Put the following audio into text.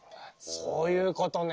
そういうことね。